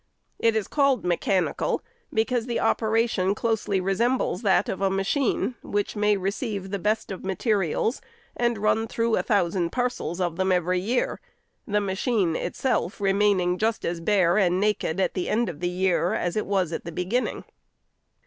It is called mechanical, because the operation closely resembles that of a machine, which may receive the best of materials, and run through a thousand parcels of them every year ;— the machine itself remaining just as bare and naked at the end of the year as it was at the beginning.